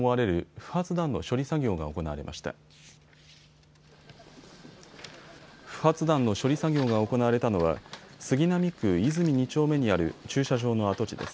不発弾の処理作業が行われたのは杉並区和泉２丁目にある駐車場の跡地です。